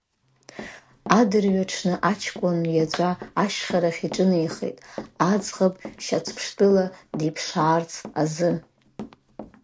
Адырҩаҽны аҷкәын иаҵәа ашьхарахь иҿынеихеит, аӡӷаб шьацԥштәыла диԥшаарц азы.